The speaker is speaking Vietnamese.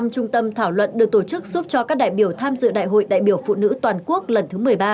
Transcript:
một mươi trung tâm thảo luận được tổ chức giúp cho các đại biểu tham dự đại hội đại biểu phụ nữ toàn quốc lần thứ một mươi ba